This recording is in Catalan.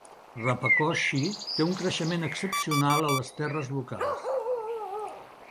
Rakaposhi té un creixement excepcional a les terres locals.